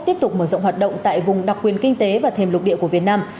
tiếp tục mở rộng hoạt động tại vùng đặc quyền kinh tế và thềm lục địa của việt nam